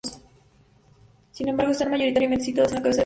Sin embargo están mayoritariamente situadas en la cabeza del páncreas.